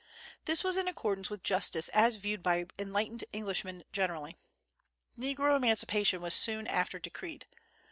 This was in accordance with justice as viewed by enlightened Englishmen generally. Negro emancipation was soon after decreed.